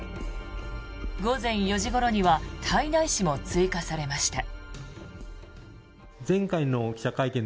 午前４時ごろには胎内市も追加されました。